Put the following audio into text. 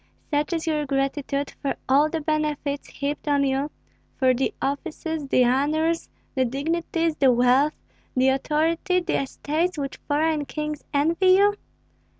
Such is your gratitude for all the benefits heaped on you, for the offices, the honors, the dignities, the wealth, the authority, the estates which foreign kings envy you?